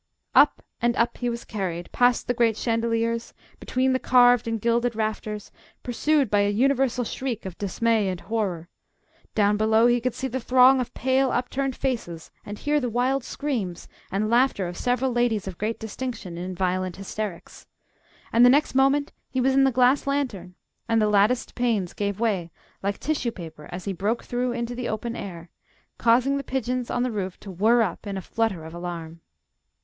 Up and up he was carried, past the great chandeliers, between the carved and gilded rafters, pursued by a universal shriek of dismay and horror. Down below he could see the throng of pale, upturned faces, and hear the wild screams and laughter of several ladies of great distinction in violent hysterics. And the next moment he was in the glass lantern, and the latticed panes gave way like tissue paper as he broke through into the open air, causing the pigeons on the roof to whirr up in a flutter of alarm.